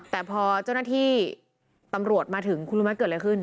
แต่พอเจ้าหน้าที่ตำรวจมาถึงคุณรู้ไหมเกิดอะไรขึ้น